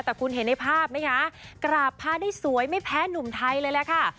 แต่คุณเห็นในภาพไหมคะกราบผ้าได้สวยไม่แพ้หนุ่มไทยเลยล่ะค่ะ